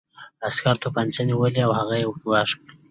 عسکر توپانچه نیولې وه او هغه یې ګواښه